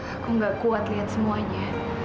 aku gak kuat lihat semuanya